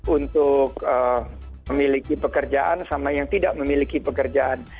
untuk memiliki pekerjaan sama yang tidak memiliki pekerjaan